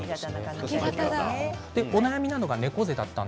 お悩みが猫背でした。